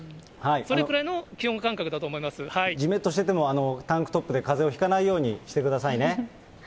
それくらいの気温感覚だと思いまじめっとしてても、タンクトップでかぜをひかないようにしてくださいね。